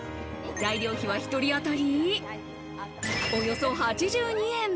材料費は１人当たり、およそ８２円。